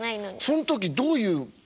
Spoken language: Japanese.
その時どういう。